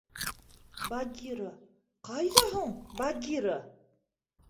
Багира... ҡайҙа һуң Багира?